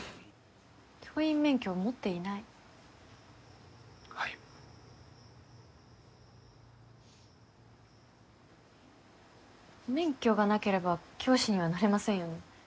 教員免許を持っていないはい免許がなければ教師にはなれませんよね？